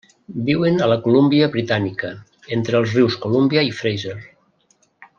Viuen a la Colúmbia Britànica, entre els rius Colúmbia i Fraser.